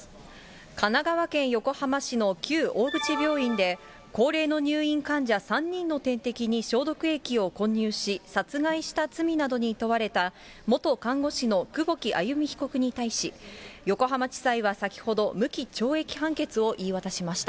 神奈川県横浜市の旧大口病院で、高齢の入院患者３人の点滴に消毒液を混入し、殺害した罪などに問われた元看護師の久保木愛弓被告に対し、横浜地裁は先ほど、無期懲役判決を言い渡しました。